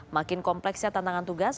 makin kompleksnya tantangan tugas